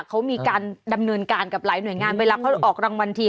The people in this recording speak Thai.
เขามีการดำเนินการกับหลายหน่วยงานเวลาเขาออกรางวัลที